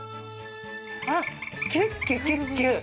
あっキュッキュキュッキュ。